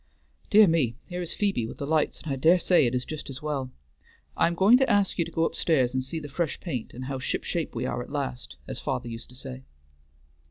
Dear me! here is Phoebe with the lights, and I dare say it is just as well. I am going to ask you to go up stairs and see the fresh paint, and how ship shape we are at last, as father used to say."